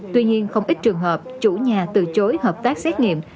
tuy nhiên không ít trường hợp chủ nhà từ chối hợp tác xét nghiệm